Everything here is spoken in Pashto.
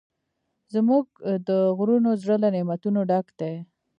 زموږ د غرونو زړه له نعمتونو ډک دی.